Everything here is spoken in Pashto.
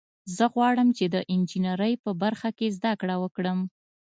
زه غواړم چې د انجینرۍ په برخه کې زده کړه وکړم